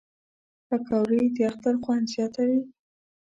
پکورې د اختر خوند زیاتوي